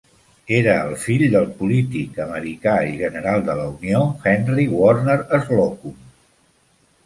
Era el fill del polític americà i general de la Unió Henry Warner Slocum.